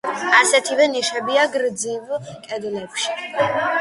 ასეთივე ნიშებია გრძივ კედლებში.